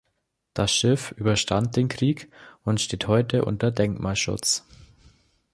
Das Schiff überstand den Krieg und steht heute unter Denkmalschutz.